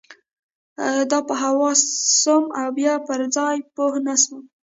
زه په هوا سوم او بيا پر ځان پوه نه سوم.